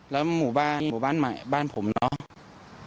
แล้วหมู่บ้านหมู่บ้านใหม่บ้านผมเนาะ